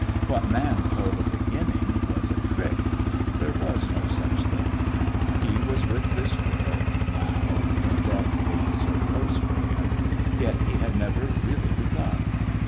What man called a beginning was a trick. There was no such thing. He was with this girl now, when Death waited so close for him yet he had never really begun.